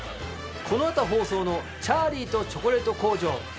この後放送の『チャーリーとチョコレート工場』。